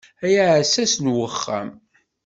Ay aɛessas n uxxam.